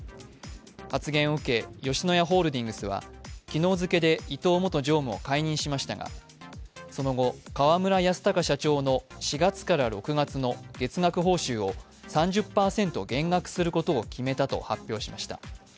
発言を受け吉野家ホールディングスは昨日付で伊東元常務を解任しましたがその後、河村泰貴社長の４月から６月の月額報酬を３０％減額することを決めたと発表しました。